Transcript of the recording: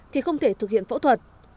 thì không thể thực hiện phẫu thuật